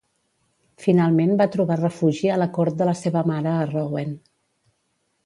Finalment va trobar refugi a la cort de la seva mare a Rouen.